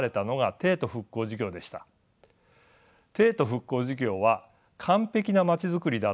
帝都復興事業は完璧な街づくりだったと私は思います。